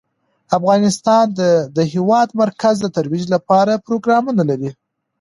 افغانستان د د هېواد مرکز د ترویج لپاره پروګرامونه لري.